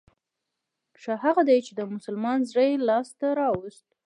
ښه هغه دی چې د مسلمان زړه يې لاس ته راووست.